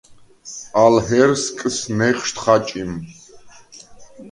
ალ ჰერსკნს ნეჴშდ ხაჭიმ.